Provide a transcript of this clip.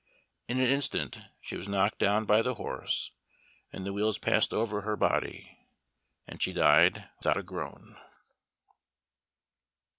In an instant she was knocked down by the horse, and the wheels passed over her body, and she died without a groan.